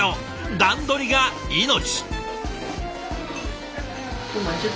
段取りが命！